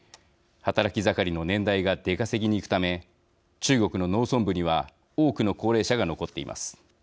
働き盛りの年代が出稼ぎに行くため中国の農村部には多くの高齢者が残っています。